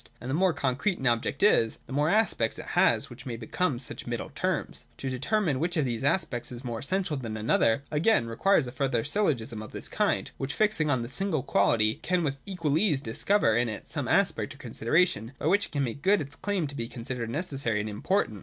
And the more concrete an object is, the more aspects it has, which may become such middle terms. To determine which of these aspects is more essential than another, again, requires a further syllogism of this kind, which fixing on the single quality can with equal ease discover in it some aspect or consideration by which it can make good its claims to be considered necessary and im portant.